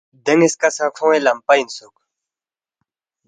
دے نِ٘یسکا سہ کھون٘ی لمپہ اِنسُوک